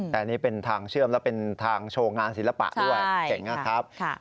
แต่อันนี้เป็นทางเชื่อมและเป็นทางโชว์งานศิลปะด้วยเก่งนะครับ